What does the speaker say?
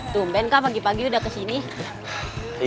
tumben kak pagi pagi udah kesini